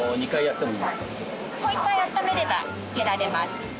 もう一回あっためれば付けられます。